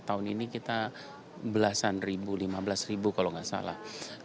tahun ini kita belasan ribu lima belas ribu kalau nggak salah